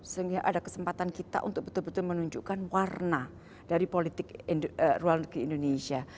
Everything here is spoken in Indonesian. sehingga ada kesempatan kita untuk betul betul menunjukkan warna dari politik luar negeri indonesia